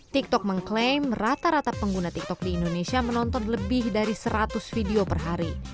tiktok mengklaim rata rata pengguna tiktok di indonesia menonton lebih dari seratus video per hari